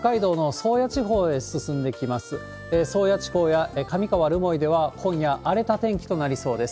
宗谷地方やかみかわ、留萌では、今夜、荒れた天気となりそうです。